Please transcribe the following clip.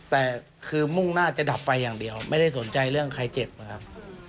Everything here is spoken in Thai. แต่คือมุ่งหน้าจะดับไฟอย่างเดียวไม่ได้สนใจเรื่องใครเจ็บนะครับ